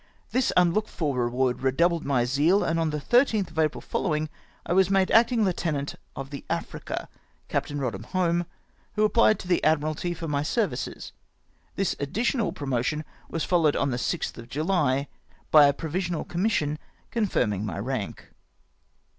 This unlooked for reward redoubled my zeal, and on the loth of April following, I was made acting Heu tenant of the Africa, Captam Eodliam Home, who ap phed to the admkal for my services. This additional promotion was followed on the 6th of July by a provi sional commission confirming my rank.